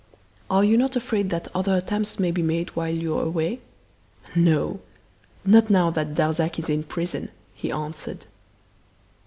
"Are you not afraid that other attempts may be made while you're away?" "No! Not now that Darzac is in prison," he answered.